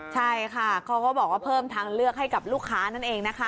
ใช่ค่ะเขาก็บอกว่าเพิ่มทางเลือกให้กับลูกค้านั่นเองนะคะ